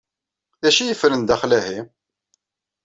D acu i yeffren daxel-ahi?